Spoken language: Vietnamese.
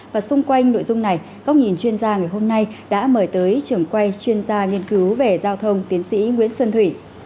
và xung quanh nội dung này góc nhìn chuyên gia ngày hôm nay đã mời tới trường quay chuyên gia nghiên cứu về giao thông tiến sĩ nguyễn xuân thủy